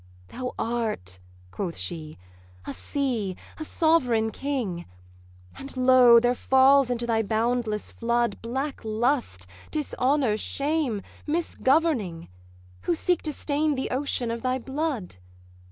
'Thou art,' quoth she, 'a sea, a sovereign king; And, lo, there falls into thy boundless flood Black lust, dishonour, shame, misgoverning, Who seek to stain the ocean of thy blood.